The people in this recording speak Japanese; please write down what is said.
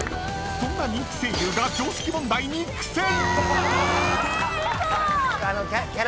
［そんな人気声優が常識問題に苦戦！］